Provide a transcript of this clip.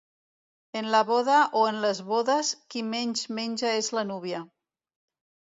En la boda o en les bodes, qui menys menja és la núvia.